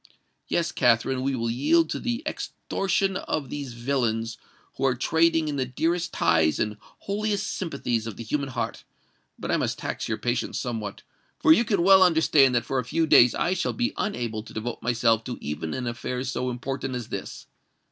Yes, Katherine, we will yield to the extortion of these villains who are trading in the dearest ties and holiest sympathies of the human heart; but I must tax your patience somewhat—for you can well understand that for a few days I shall be unable to devote myself to even an affair so important as this.